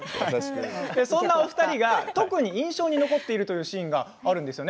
そんなお二人が特に印象に残っているシーンがあるんですよね。